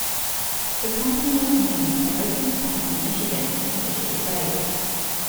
The company was named for Oakland County, Michigan, in which it was based.